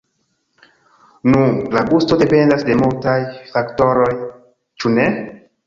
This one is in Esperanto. Nu, la gusto dependas de multaj faktoroj, ĉu ne?